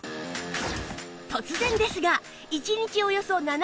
突然ですが